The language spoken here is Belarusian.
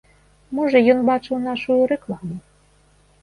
Можа ён бачыў нашую рэкламу.